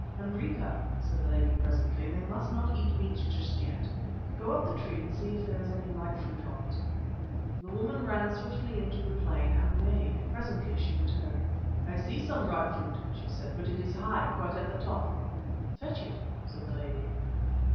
"Hendrika," said the lady presently, "they must not eat meat just yet. Go look up the tree and see if there is any ripe fruit on it." The woman ran swiftly into the plain and obeyed. Presently she returned. "I see some ripe fruit," she said, "but it is high, quite at the top." "Fetch it," said the lady.